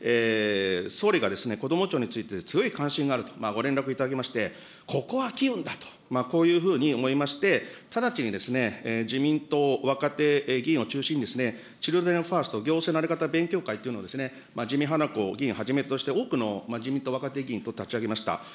総理がこども庁について、強い関心があるとご連絡いただきまして、ここは機運だと、こういうふうに思いまして、直ちに自民党、若手議員を中心に、チルドレンファースト行政の在り方勉強会というのを自見はなこ議員を中心として多くの自民党若手議員と立ち上げました。